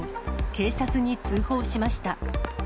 警察に通報しました。